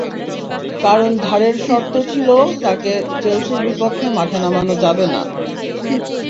কারণ ধারের শর্ত নাকি ছিল তাঁকে চেলসির বিপক্ষে মাঠে নামানো যাবে না।